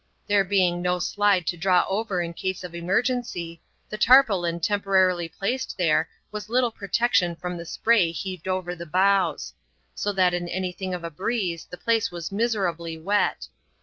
There being no slide to draw over in case of emergency, the tarpaulin temporarily placed there was little protection from the spray heaved over the bows ; so that in any thing of a breeze the place was miserably wet.